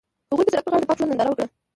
هغوی د سړک پر غاړه د پاک ژوند ننداره وکړه.